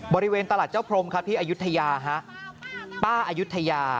บริเวณตลาดเจ้าพรมครับที่อายุทยาฮะป้าอายุทยา